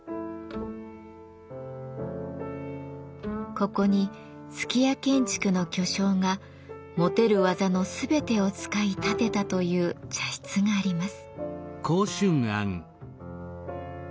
ここに数寄屋建築の巨匠が持てる技の全てを使い建てたという茶室があります。